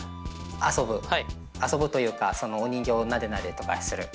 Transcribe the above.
遊ぶというかお人形をなでなでとかする。